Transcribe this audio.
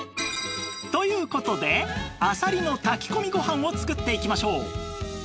という事であさりの炊き込みご飯を作っていきましょう